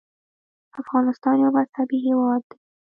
افغانستان یو مذهبي هېواد دی.